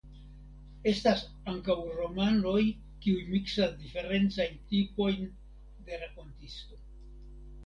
Estas ankaŭ romanoj kiuj miksas diferencajn tipojn de rakontisto.